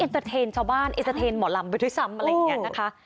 เตอร์เทนชาวบ้านเอ็นเตอร์เทนหมอลำไปด้วยซ้ำอะไรอย่างนี้นะคะ